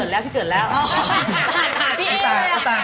แล้วแต่รู้เลยอาจารย์ได้จบตาหรอ